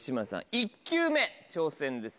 １球目挑戦です